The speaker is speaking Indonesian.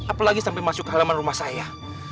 apalagi sampai masuk ke halaman rumah saya